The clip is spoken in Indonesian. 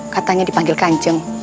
katanya dipanggil kanjeng